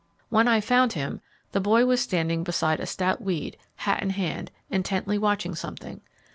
When I found him, the boy was standing beside a stout weed, hat in hand, intently watching something.